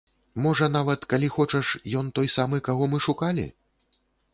Можа, нават, калі хочаш, ён той самы, каго мы шукалі?